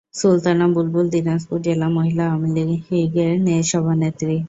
সুলতানা বুলবুল দিনাজপুর জেলা মহিলা আওয়ামীলীগের সভানেত্রী।